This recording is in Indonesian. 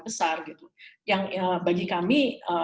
besar gitu yang bagi kami